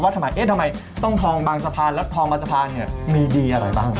ทำไมเอ๊ะทำไมต้องทองบางสะพานแล้วทองบางสะพานเนี่ยมีดีอะไรบ้าง